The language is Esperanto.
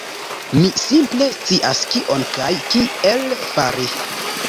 Mi simple scias kion kaj kiel fari.